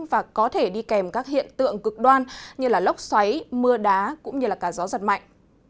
và có thể đi kèm các hiện tượng cực đoan như lốc xoáy mưa đá cũng như cả gió giật mạnh